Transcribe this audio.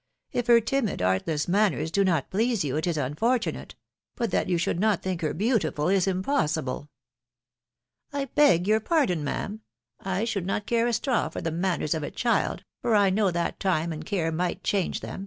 ... If her timid, artless manners do not please you, it is unfortunate ; but that you should not think her beautiful, is impossible." " I beg your pardon, ma'am I should not care a straw for the manners of a child, for I know that time and care might change them